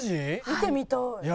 見てみたい。